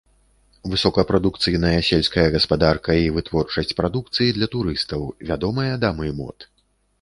Высокапрадукцыйная сельская гаспадарка і вытворчасць прадукцыі для турыстаў, вядомыя дамы мод.